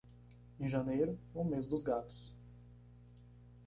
Em janeiro, o mês dos gatos.